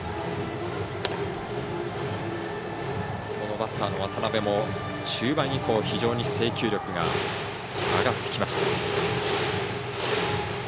バッターの渡邊も中盤以降非常に制球力が上がってきました。